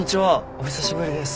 お久しぶりです。